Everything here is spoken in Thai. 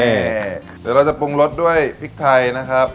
เดี๋ยวเราจะปรุงรสด้วยพริกไทยนะครับ